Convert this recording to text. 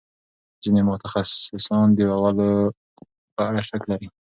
ځینې متخصصان د اولو په اړه شک لري.